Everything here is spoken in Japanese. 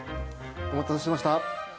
お待たせしました。